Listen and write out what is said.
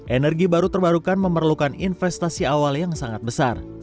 energi baru terbarukan memerlukan investasi awal yang sangat besar